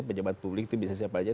pejabat publik itu bisa siapa aja